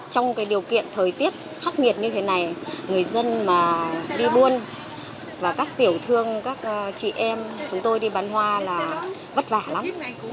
trong điều kiện thời tiết khắc nghiệt như thế này người dân mà đi buôn và các tiểu thương các chị em chúng tôi đi bán hoa là vất vả lắm